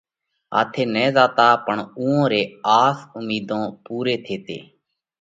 هاٿي نہ زاتا پڻ اُوئون رئِي آس ان اُمِيڌون پُوري ٿيتي۔